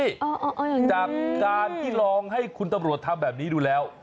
จากการที่ลองให้คุณตำรวจทำแบบนี้ดูแล้ว